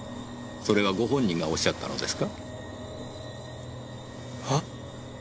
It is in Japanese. そうご本人がおっしゃったのですか？